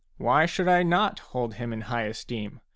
Why should I not hold him in high esteem